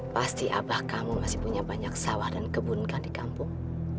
pasti abah kamu masih punya banyak sawah dan kebun kan di kampung